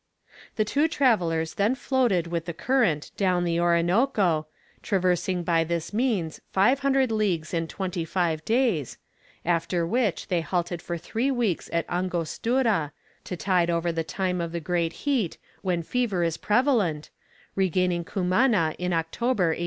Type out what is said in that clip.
The two travellers then floated with the current down the Orinoco, traversing by this means five hundred leagues in twenty five days, after which they halted for three weeks at Angostura, to tide over the time of the great heat, when fever is prevalent, regaining Cumana in October, 1800.